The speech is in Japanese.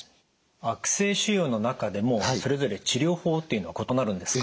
悪性腫瘍の中でもそれぞれ治療法っていうのは異なるんですか？